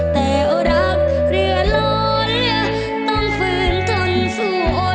แต่รักเหลือร้อนต้องฝืนทันสู่อดีต